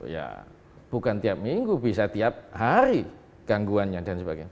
ya bukan tiap minggu bisa tiap hari gangguannya dan sebagainya